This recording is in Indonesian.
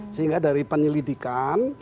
sehingga dari penyelidikan